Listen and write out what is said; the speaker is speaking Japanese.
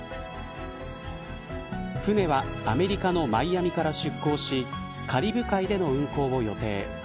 船はアメリカのマイアミから出港しカリブ海での運航を予定。